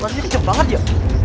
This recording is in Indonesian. masih dicet banget ya